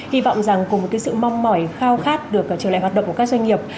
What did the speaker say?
hy vọng rằng cùng với sự mong mỏi khao khát được trở lại hoạt động của các doanh nghiệp